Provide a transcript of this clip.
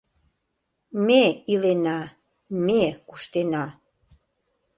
Ме илена, ме куштена